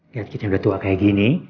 lihat kita udah tua kayak gini